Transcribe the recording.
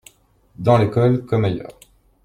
dans l'école comme ailleurs.